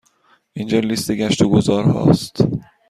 اینجا لیست گشت و گذار ها است.